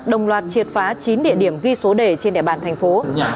đồng loạt triệt phá chín địa điểm ghi số đề trên địa bàn thành phố